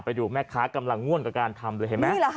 ไปดูแม่ขากำลังง่วงกับการทำเลยเห็นไหมนี่แหละฮะ